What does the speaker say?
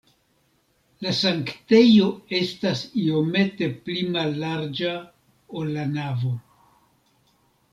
La sanktejo estas iomete pli mallarĝa, ol la navo.